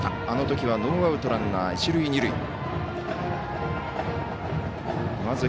あのときはノーアウトランナー、一塁二塁。